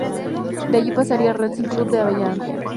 De allí pasaría al Racing Club de Avellaneda.